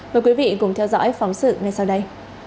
mời quý vị cùng theo dõi phóng sự ngay sau đây